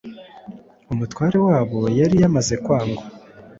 Umutware wabo yari yamaze kwangwa,